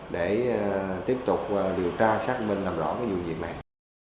để tiếp tục điều tra xác minh làm rõ cái vụ việc này